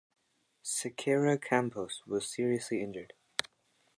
Siqueira Campos was seriously injured.